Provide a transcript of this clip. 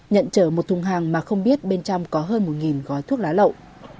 nhận chở một thùng hàng mà không biết bên trong có hơn một gói thuốc lá lậu